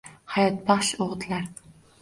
Hayotbaxsh o‘gitlar.